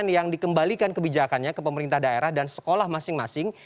yang dikembalikan kebijakannya ke pemerintah daerah dan sekolah masing masing